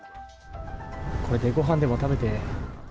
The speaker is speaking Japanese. これでごはんでも食べて。